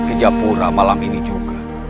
ke japura malam ini juga